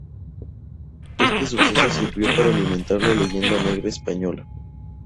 Este suceso sirvió para alimentar la Leyenda negra española.